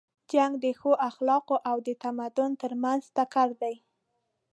جنګ د ښو اخلاقو او د تمدن تر منځ ټکر دی.